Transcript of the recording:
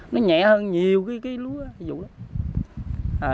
nó nhẹ hơn nhiều cái lúa dụ đó